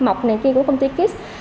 có mọc này kia của công ty kiss